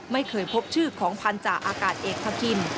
ไม่เคยพบชื่อของพันธาอากาศเอกทะคิน